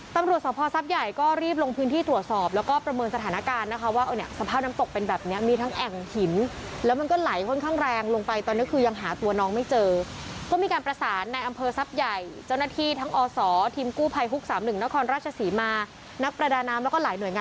ตำรวจภูทรสอบภอสับใหญ่ก็รีบลงพื้นที่ตรวจสอบแล้วก็ประเมินสถานการณ์นะคะว่าเอาเนี่ยสภาพน้ำตกเป็นแบบเนี้ยมีทั้งแอ่งหินแล้วมันก็ไหลค่อนข้างแรงลงไปตอนนี้คือยังหาตัวน้องไม่เจอก็มีการประสานในอำเภอสับใหญ่เจ้าหน้าที่ทั้งอศทีมกู้ภัยฮุกส์สามหนึ่งนครราชสีมานักประดาน